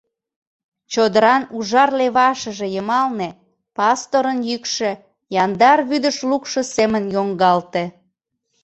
Чодыран ужар левашыже йымалне пасторын йӱкшӧ яндар вӱдыш лукшо семын йоҥгалте.